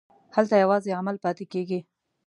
هلته یوازې عمل پاتې کېږي.